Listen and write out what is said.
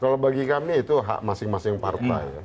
kalau bagi kami itu hak masing masing partai